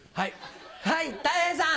はいたい平さん。